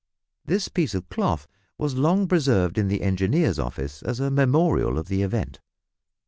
This piece of cloth was long preserved in the engineer's office as a memorial of the event!